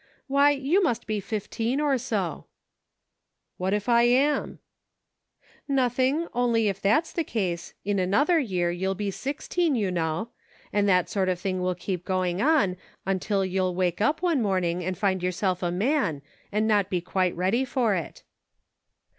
Why, you must be fifteen or so." PRACTICING. 41 " What if I am ?"" Nothing ; only if that's the case, in another year you'll be sixteen, you know ; and that sort of thing will keep going on until you'll wake up some morning and find yourself a man, and not be quite ready for it."